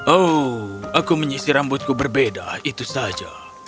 oh aku menyisir rambutku berbeda itu saja